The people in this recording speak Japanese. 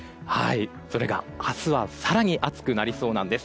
それが明日は更に暑くなりそうなんです。